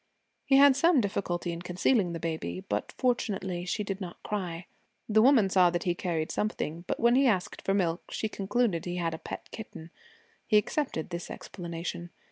He had some difficulty in concealing the baby, but fortunately she did not cry. The woman saw that he carried something, but when he asked for milk, she concluded he had a pet kitten. He accepted this explanation.